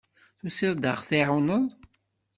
Tusiḍ-d ad ɣ-tεiwneḍ?